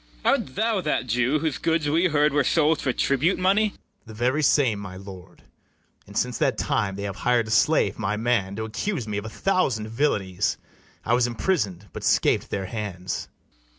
CALYMATH. Art thou that Jew whose goods we heard were sold For tribute money? BARABAS. The very same, my lord: And since that time they have hir'd a slave, my man, To accuse me of a thousand villanies: I was imprisoned, but scap [']d their hands.